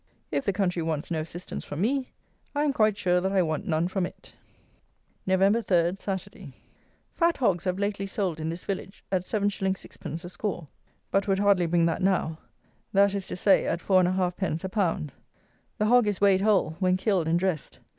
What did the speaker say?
If the country wants no assistance from me, I am quite sure that I want none from it. Nov. 3. Saturday. Fat hogs have lately sold, in this village, at 7_s._ 6_d._ a score (but would hardly bring that now), that is to say, at 4 1/2_d._ a pound. The hog is weighed whole, when killed and dressed.